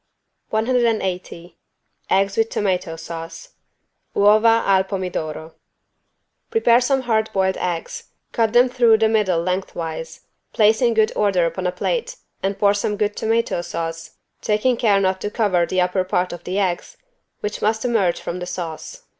180 EGGS WITH TOMATO SAUCE (Uova al pomidoro) Prepare some hard boiled eggs, cut them through the middle lengthwise, place in good order upon a plate and pour some good tomato sauce, taking care not to cover the upper part of the eggs, which must emerge from the sauce.